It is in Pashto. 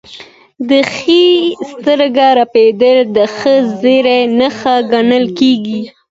د ښي سترګې رپیدل د ښه زیری نښه ګڼل کیږي.